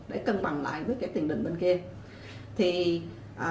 để cân bằng lại với tiền đình bên kia